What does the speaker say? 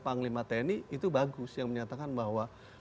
panglima tni itu bagus yang menyatakan bahwa